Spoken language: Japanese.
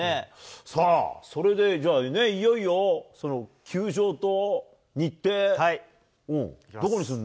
さあ、それでじゃあね、いよいよ球場と日程、どこにすんの？